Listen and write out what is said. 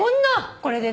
これでね。